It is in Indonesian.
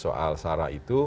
soal sarah itu